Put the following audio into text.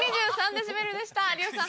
デシベルでした有吉さん